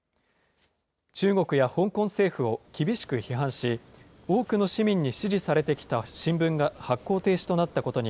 中国や香港政府を厳しく批判し、多くの市民に支持されてきた新聞が発行停止となったことに、